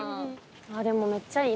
でもめっちゃいい。